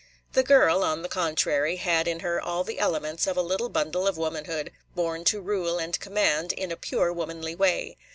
The girl, on the contrary, had in her all the elements of a little bundle of womanhood, born to rule and command in a pure womanly way.